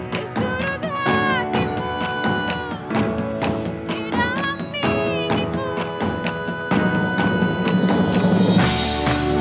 di sudut hatimu di dalam minggu